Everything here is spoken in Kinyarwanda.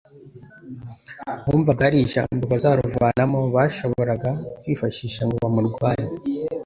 bumvaga hari ijambo bazaruvanamo bazashobora kwifashisha ngo bamurwanye.